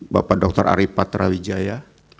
bapak dr ariefat rawijaya